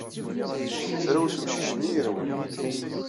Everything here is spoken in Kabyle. Yefrawes umcic-nni yarwel.